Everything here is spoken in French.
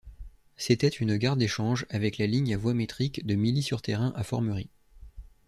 C'était une gare d'échange avec la ligne à voie métrique de Milly-sur-Thérain à Formerie.